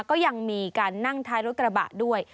ก็ยังมีการนั่งท้ายรถกระบะด้วย